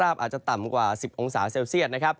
พื้นราบอาจจะต่ำกว่า๑๐องศาเซลเซียส